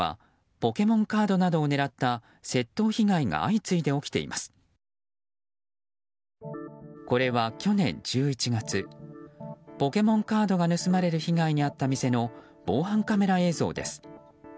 ポケモンカードが盗まれる被害に遭った店の防犯カメラ映像です。